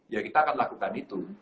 ya kita akan lakukan itu